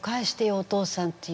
お父さんっていう。